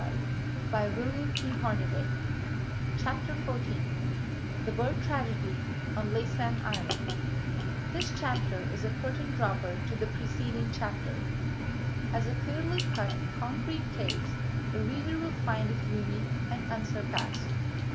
[Page 137] CHAPTER XIV THE BIRD TRAGEDY ON LAYSAN ISLAND This chapter is a curtain dropper to the preceding chapter. As a clearly cut, concrete case, the reader will find it unique and unsurpassed.